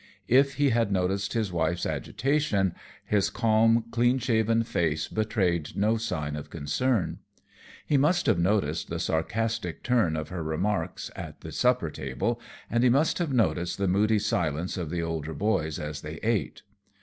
If he had noticed his wife's agitation, his calm, clean shaven face betrayed no sign of concern. He must have noticed the sarcastic turn of her remarks at the supper table, and he must have noticed the moody silence of the older boys as they ate.